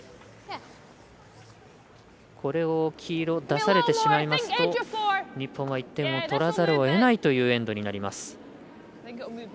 これを、黄色出されてしまいますと日本は１点を取らざるをえないというエンドになります。